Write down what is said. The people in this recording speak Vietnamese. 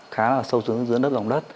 khá là sâu xuống dưới đất lòng đất